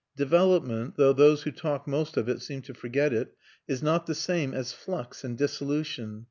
Development (though those who talk most of it seem to forget it) is not the same as flux and dissolution.